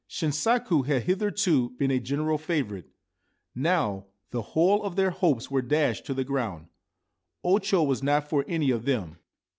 Shinsaku had hitherto been a general favourite. Now the whole of their hopes were dashed to the ground. O Cho was not for any of them.